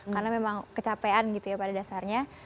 karena memang kecapean gitu ya pada dasarnya